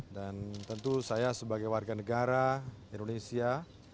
dan tentu saya sebagai warga negara indonesia